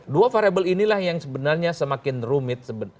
dua variable inilah yang sebenarnya semakin rumit